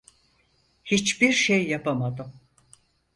Hiçbir şey yapamadım.